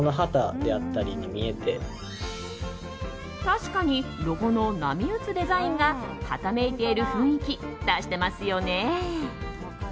確かにロゴの波打つデザインがはためいている雰囲気出してますよね。